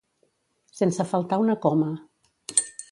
Sense faltar una coma.